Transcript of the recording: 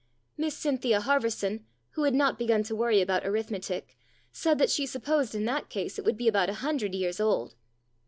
Miss Cynthia Harverson, who had not begun to worry about arithmetic, said that she supposed in that case it would be about a hundred years old.